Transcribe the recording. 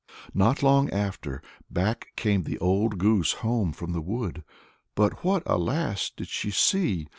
Not long after, back came the old goose home from the wood; but what, alas! did she see?